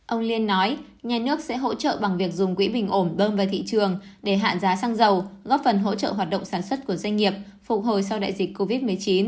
ông liên nói nhà nước sẽ hỗ trợ bằng việc dùng quỹ bình ổn bơm vào thị trường để hạ giá xăng dầu góp phần hỗ trợ hoạt động sản xuất của doanh nghiệp phục hồi sau đại dịch covid một mươi chín